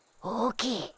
大きい。